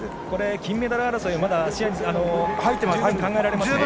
金メダル争いは十分考えられますね。